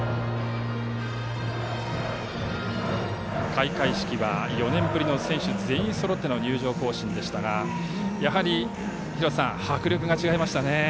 開会式は４年ぶりの選手全員そろっての入場行進でしたがやはり、廣瀬さん迫力が違いましたね。